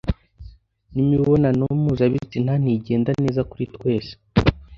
n'imibonano mpuzabitsina ntigenda neza kuri twse